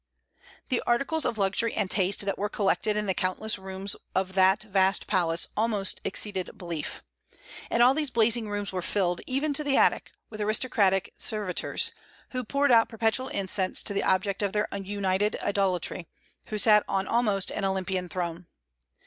The articles of luxury and taste that were collected in the countless rooms of that vast palace almost exceeded belief. And all these blazing rooms were filled, even to the attic, with aristocratic servitors, who poured out perpetual incense to the object of their united idolatry, who sat on almost an Olympian throne.